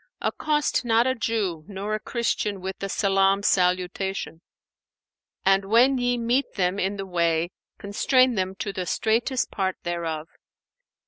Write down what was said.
'Accost not a Jew nor a Christian with the salam salutation;[FN#492] and, when ye meet them in the way, constrain them to the straitest part thereof.'